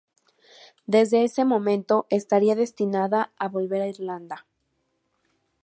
Desde ese momento estaría destinada a volver a Irlanda.